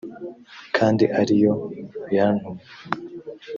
kandi ari yo yantumye